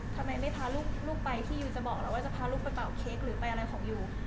ทำไมไม่พาลูกไปที่ยูจะบอกแล้วว่าจะพาลูกไปเป่าเค้กหรือไปอะไรของยู